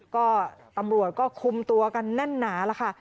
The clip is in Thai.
ก็ตำรวจก็คุมตัวกันแน่นหนาแล้วค่ะ